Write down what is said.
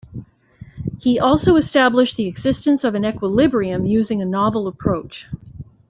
He also established the existence of an equilibrium using a novel approach.